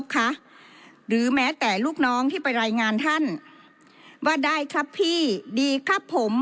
คะหรือแม้แต่ลูกน้องที่ไปรายงานท่านว่าได้ครับพี่ดีครับผม